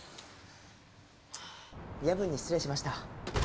夜分に失礼しました。